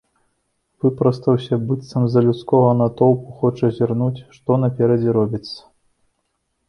Выпрастаўся, быццам з-за людскога натоўпу хоча зірнуць, што наперадзе робіцца.